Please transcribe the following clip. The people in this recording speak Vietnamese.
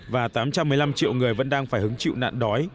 và tám trăm một mươi năm triệu người vẫn đang phải hứng chịu nạn đói